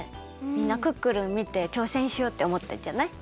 みんな「クックルン」みてちょうせんしようっておもったんじゃない？